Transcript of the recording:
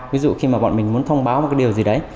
ví dụ khi mà bọn mình muốn thông báo một cái điều gì đấy